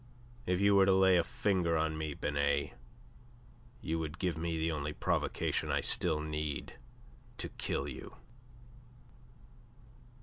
"If you were to lay a finger on me, Binet, you would give me the only provocation I still need to kill you."